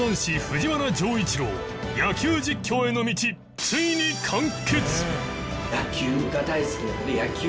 藤原丈一郎野球実況への道ついに完結！